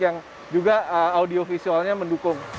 yang juga audiovisualnya mendukungnya